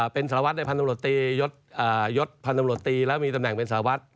เป็นสารวัตรในพันธมรตรียศพันธมรตรีแล้วมีตำแหน่งเป็นสารวัตร